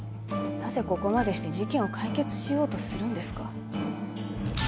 なぜここまでして事件を解決しようとするんですか？